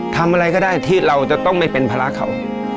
ทำอะไรก็ได้ที่เราจะต้องไม่เป็นภาระเขา